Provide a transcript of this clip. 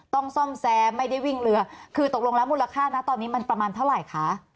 ซ่อมแซมไม่ได้วิ่งเรือคือตกลงแล้วมูลค่านะตอนนี้มันประมาณเท่าไหร่คะ